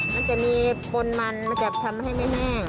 มันจะมีปนมันมันจะทำให้ไม่แห้ง